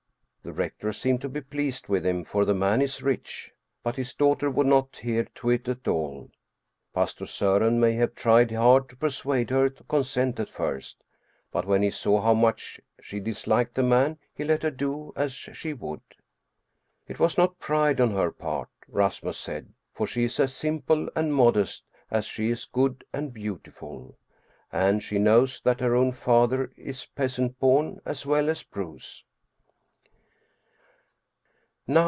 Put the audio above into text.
The rector seemed to be pleased with him, for the man is rich. But his daughter would not hear to it at all. Pastor Soren may have tried hard to persuade her to consent at first. But when he saw how much she disliked the man he let her do as she would. It was not pride on her part, Rasmus said, for she is as simple and modest as she is good and beautiful. And she knows that her own father is peasant born as well as Bruus.